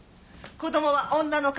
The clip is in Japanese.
子供は女の係。